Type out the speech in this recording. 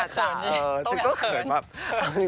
ต้องต้องอย่าเขิน